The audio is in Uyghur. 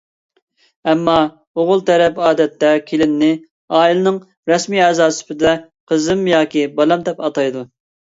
ئەمما ئوغۇل تەرەپ ئادەتتە كېلىننى ئائىلىنىڭ رەسمىي ئەزاسى سۈپىتىدە «قىزىم ياكى بالام» دەپ ئاتايدۇ.